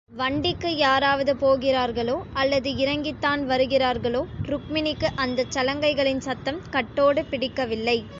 வண்டிக்கு யாராவது போகிறார்களோ அல்லது இறங்கித்தான் வருகிறார்களோ ருக்மிணிக்கு அந்தச் சலங்கைகளின் சத்தம் கட்டோடு பிடிக்கவில்லை.